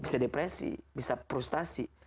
bisa depresi bisa frustasi